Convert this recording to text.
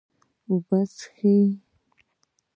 ایا اوبه څښئ؟